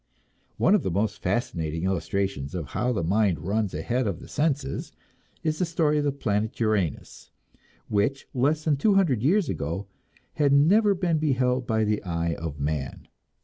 One of the most fascinating illustrations of how the mind runs ahead of the senses is the story of the planet Uranus, which, less than two hundred years ago, had never been beheld by the eye of man.